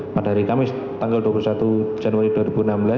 pada hari kamis tanggal dua puluh satu januari dua ribu enam belas